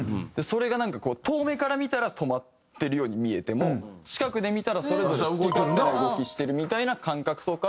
それがなんか遠目から見たら止まってるように見えても近くで見たらそれぞれ好き勝手な動きしてるみたいな感覚とか。